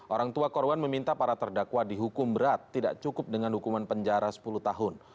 orang tua korban meminta para terdakwa dihukum berat tidak cukup dengan hukuman penjara sepuluh tahun